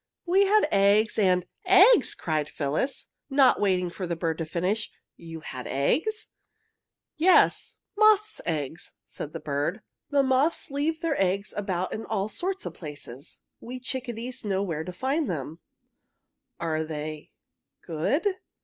"We had eggs and " "Eggs?" cried Phyllis, not waiting for the bird to finish. "You had eggs?" "Yes, moth's eggs," said the bird. "The moths leave their eggs about in all sorts of places. We chickadees know where to find them!" "Are they good?"